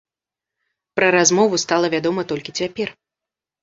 Пра размову стала вядома толькі цяпер.